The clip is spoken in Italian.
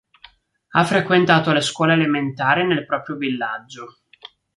Ha frequentato le scuole elementari nel proprio villaggio.